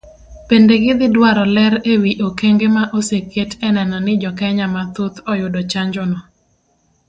Bende gidhi dwaro ler ewi okenge ma oseket eneno ni jokenya mathoth oyudo chanjono.